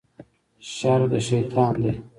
شر د شیطان دی